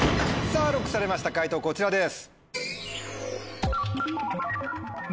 ＬＯＣＫされました解答こちらです。